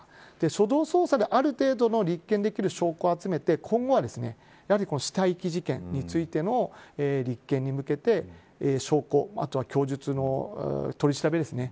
初動捜査である程度、立件できる証拠を集めて今後は、死体遺棄事件についての立件に向けて証拠、あとは供述の取り調べですね。